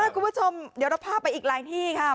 คุณผู้ชมเดี๋ยวเราพาไปอีกหลายที่ค่ะ